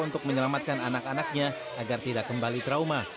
untuk menyelamatkan anak anaknya agar tidak kembali trauma